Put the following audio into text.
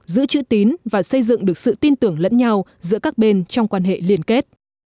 giữ chữ tín và xây dựng được sự tin tưởng lẫn nhau giữa các bên trong quan hệ liên kết